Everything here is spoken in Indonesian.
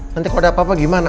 nanti kalau ada papa gimana